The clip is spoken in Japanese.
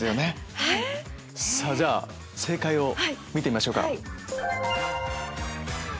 さぁじゃあ正解を見てみましょうか。